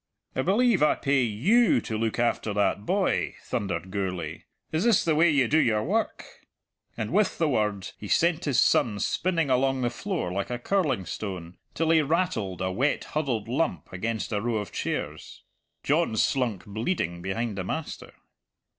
"I believe I pay you to look after that boy," thundered Gourlay. "Is this the way you do your work?" And with the word he sent his son spinning along the floor like a curling stone, till he rattled, a wet, huddled lump, against a row of chairs. John slunk bleeding behind the master.